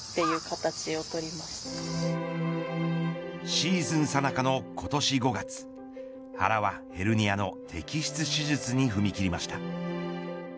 シーズンさなかの今年５月原は、ヘルニアの摘出手術に踏み切りました。